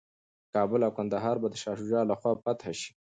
کابل او کندهار به د شاه شجاع لخوا فتح شي.